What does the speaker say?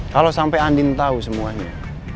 kalau sampai andin tahu semuanya